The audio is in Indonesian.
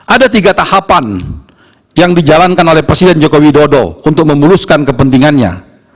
ada tiga tahapan yang dijalankan oleh presiden joko widodo untuk memuluskan kepentingannya